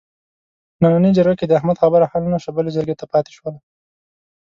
په نننۍ جرګه کې د احمد خبره حل نشوه، بلې جرګې ته پاتې شوله.